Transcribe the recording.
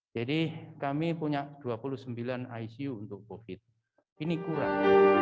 jadi kami punya dua puluh sembilan icu untuk covid sembilan belas ini kurang